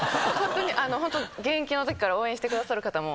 ホントに現役のときから応援してくださる方もいて。